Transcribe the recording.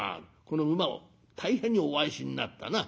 この馬を大変にお愛しになったな。